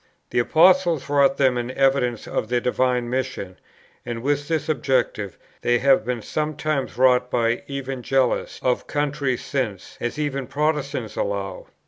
The Apostles wrought them in evidence of their divine mission; and with this object they have been sometimes wrought by Evangelists of countries since, as even Protestants allow.